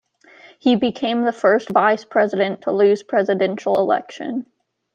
He became the first vice-president to lose presidential election.